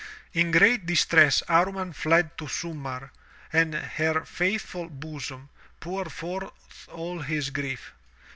In great distress Amman fled to Sumarr, and on her faithful bosom, poured forth all his grief.